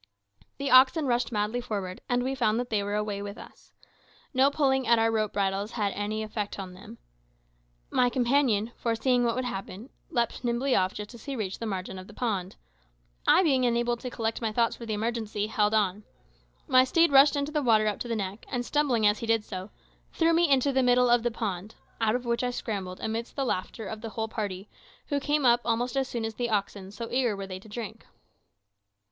The oxen rushed madly forward, and we found that they were away with us. No pulling at our rope bridles had any effect on them. My companion, foreseeing what would happen, leaped nimbly off just as he reached the margin of the pond. I being unable to collect my thoughts for the emergency, held on. My steed rushed into the water up to the neck, and stumbling as he did so, threw me into the middle of the pond, out of which I scrambled amidst the laughter of the whole party, who came up almost as soon as the oxen, so eager were they to drink.